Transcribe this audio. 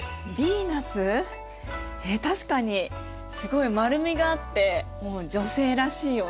えっ確かにすごい丸みがあってもう女性らしいよね。